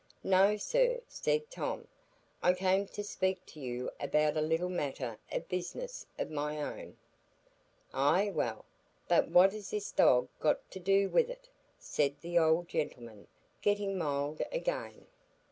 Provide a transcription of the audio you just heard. "No, sir," said Tom; "I came to speak to you about a little matter of business of my own." "Ay—well; but what has this dog got to do with it?" said the old gentleman, getting mild again.